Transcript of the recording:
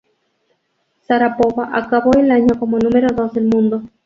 Sharápova acabó el año como número dos del mundo.